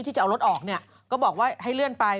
ที่จะเอารถออกก็บอกว่าให้เลื่อนไป